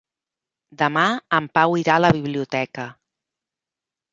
Demà en Pau irà a la biblioteca.